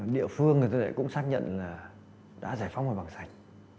địa phương người ta cũng xác nhận là đã giải phóng mặt bằng sạch